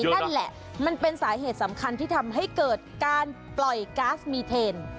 นั่นแหละมันเป็นสาเหตุสำคัญที่ทำให้เกิดการปล่อยก๊าซมีเทน